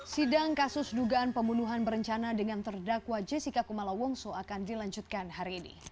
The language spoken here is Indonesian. sidang kasus dugaan pembunuhan berencana dengan terdakwa jessica kumala wongso akan dilanjutkan hari ini